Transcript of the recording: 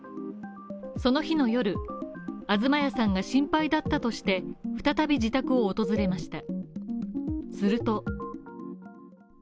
その日の夜、東谷さんが心配だったとして、再び自宅を訪れました。